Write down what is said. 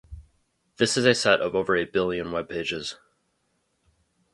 This is a set of over a billion webpages.